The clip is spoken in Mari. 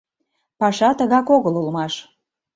Паша тыгак огыл улмаш.